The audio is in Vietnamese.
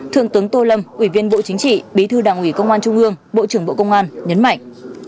thượng tướng tô lâm ủy viên bộ chính trị bí thư đảng ủy công an trung ương bộ trưởng bộ công an nhấn mạnh